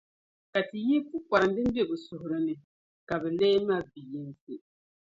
Ka ti yihi pukparim din be bɛ suhiri ni, ka bɛ leei mabiyinsi.